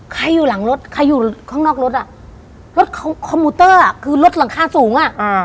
ใครอยู่ข้างนอกรถอะรถคอมมูเตอร์คือรถหลังคาสูงอะ